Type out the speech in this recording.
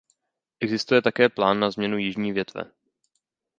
Existuje také plán na změnu jižní větve.